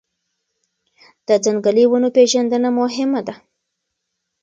د ځنګلي ونو پېژندنه مهمه ده.